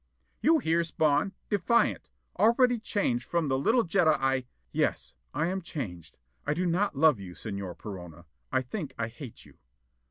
"You hear, Spawn? Defiant: already changed from the little Jetta I " "Yes, I am changed. I do not love you, Señor Perona. I think I hate you."